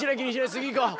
次いこう。